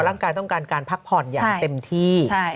ร่างกายต้องการการพักผ่อนอย่างเต็มที่